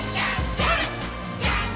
ジャンプ！！」